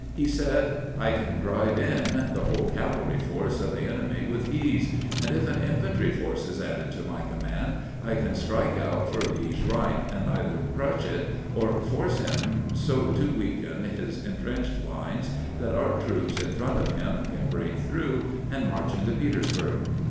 He said :" I can drive in the whole cavalry force of the enemy with ease, and if an infantry force is added to my command, I can strike out for Lee's right, and either crush it or force him to so weaken his intrenched lines that our troops in front of them can break through and march into Peters burg."